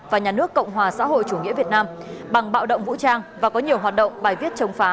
và nhà nước cộng hòa xã hội chủ nghĩa việt nam bằng bạo động vũ trang và có nhiều hoạt động bài viết chống phá